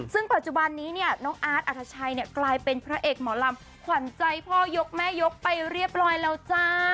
ซึ่งปัจจุบันนี้เนี่ยน้องอาร์ตอัธชัยเนี่ยกลายเป็นพระเอกหมอลำขวัญใจพ่อยกแม่ยกไปเรียบร้อยแล้วจ้า